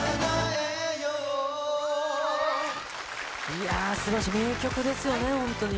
いやぁ、しかし、名曲ですよね、本当に。